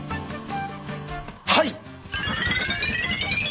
はい！